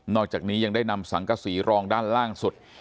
อกจากนี้ยังได้นำสังกษีรองด้านล่างสุด